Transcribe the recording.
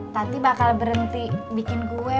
tati bakal berhenti bikin gue